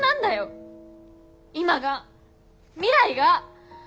今が未来が。